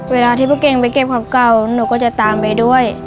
เวลาที่พวกเก่งไปเก็บของเก่าหนูก็จะตามไปด้วย